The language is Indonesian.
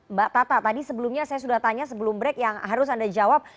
mbak tata tadi sebelumnya saya sudah tanya sebelum break yang harus anda jawab